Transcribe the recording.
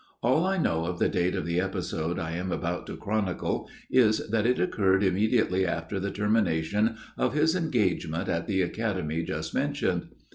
All I know of the date of the episode I am about to chronicle is that it occurred immediately after the termination of his engagement at the academy just mentioned.